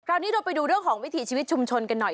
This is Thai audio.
เรานี้เราไปดูเรื่องของวิถีชีวิตชุมชนกันหน่อย